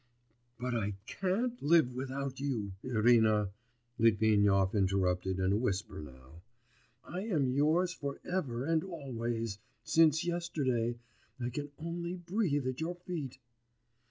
'But I can't live without you, Irina,' Litvinov interrupted, in a whisper now; 'I am yours for ever and always, since yesterday.... I can only breathe at your feet....